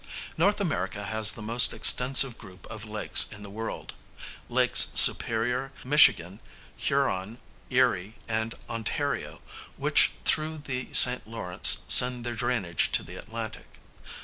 North America has the most extensive group of lakes in the world Lakes Superior, Michigan, Huron, Erie, and Ontario, which through the St. Lawrence send their drainage to the Atlantic.